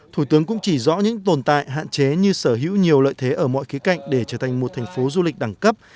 thủ tướng cũng chỉ rõ những tồn tại hạn chế như sở hữu nhiều lợi thế ở mọi khía cạnh để trở thành một thành phố du lịch đẳng cấp